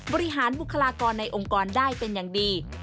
บริหารบุคลากรในองค์กรได้เป็นอย่างดี